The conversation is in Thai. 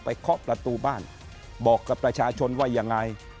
เคาะประตูบ้านบอกกับประชาชนว่ายังไง